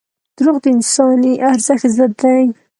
• دروغ د انساني ارزښت ضد دي.